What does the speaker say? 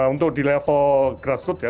untuk di level grassroot ya